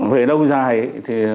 về lâu dài thì